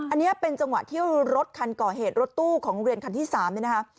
อันนี้เป็นจังหวะที่รถคันก่อเหตุรถตู้ของโรงเรียนคันที่๓เนี่ยนะคะ